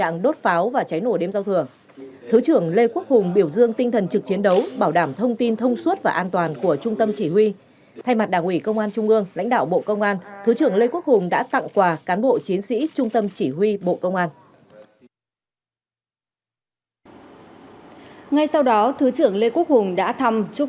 ngay sau đó thứ trưởng lê quốc hùng đã thăm chúc tết cũng như kiểm tra trực chỉ huy chiến đấu tại trung đoàn sáu trăm linh bộ tư lệnh cảnh vệ bộ công an